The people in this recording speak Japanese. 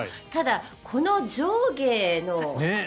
ただこの上下の。